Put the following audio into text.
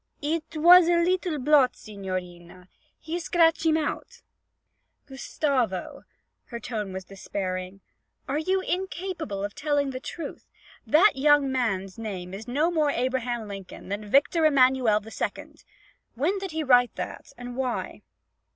'It was a li'l' blot, signorina; he scratch heem out.' 'Gustavo!' Her tone was despairing. 'Are you incapable of telling the truth? That young man's name is no more Abraham Lincoln than Victor Emmanuel II. When did he write that, and why?'